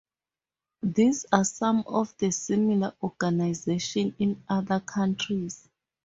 These are some of the similar organisations in other countries.